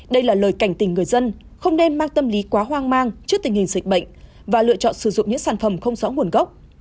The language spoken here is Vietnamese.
đây là lời cảnh tình người dân không nên mang tâm lý quá hoang mang trước tình hình dịch bệnh và lựa chọn sử dụng những sản phẩm không rõ nguồn gốc